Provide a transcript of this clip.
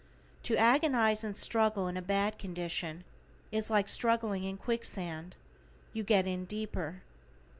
To agonize and struggle in a bad condition is like struggling in quicksand, you get in deeper.